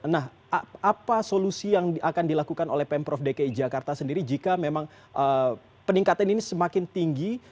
nah apa solusi yang akan dilakukan oleh pemprov dki jakarta sendiri jika memang peningkatan ini semakin tinggi